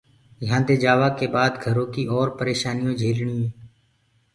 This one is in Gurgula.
يهآنٚدي جآوآ ڪي بآد گھرو ڪيٚ اور پريشآنيٚون جھيلڻينٚ